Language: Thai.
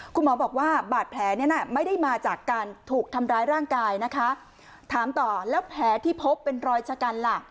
คุณหมอบอกว่าบาดแผลเนี่ยนะไม่ได้มาจากการถูกทำร้ายร่างกายนะคะถามต่อแล้วแผลที่พบเป็นรอยชะกันล่ะ